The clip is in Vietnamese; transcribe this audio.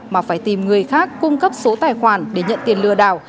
mà phải tìm người khác cung cấp số tài khoản để nhận tiền lừa đảo